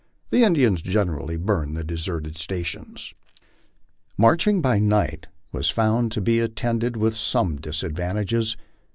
The Indians generally burned the deserted stations. Marching by night was found to be attended with some disadvantages.